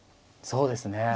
そうですね。